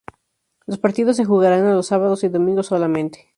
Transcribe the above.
Los partidos se jugarán los sábados y domingos solamente.